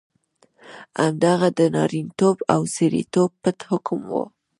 همدغه د نارینتوب او سړیتوب پت حکم وو.